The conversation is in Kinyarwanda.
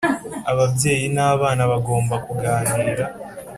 ababyeyi n’abana bagomba kuganira.